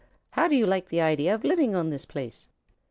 How do you like the idea of living on this place?"